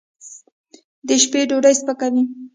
د شپې ډوډۍ سپکه وي.